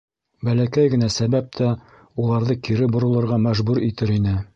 Бәләкәй генә сәбәп тә уларҙы кире боролорға мәжбүр итер ине.